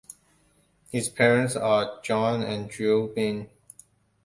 His parents are John and Jill Bean.